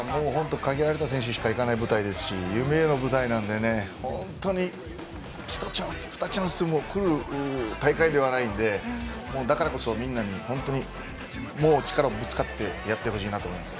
限られた選手しか行かない舞台ですし夢への舞台なので本当にひとチャンス、ふたチャンスも来る大会ではないのでだからみんなには本当に力をぶつけてやってほしいと思います。